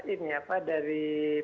ini apa dari